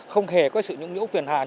không hề có sự nhũng nhũ phiền hàn